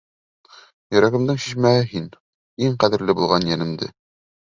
Йөрәгемдең шишмәһе һин, Иң ҡәҙерле булған йәнемде.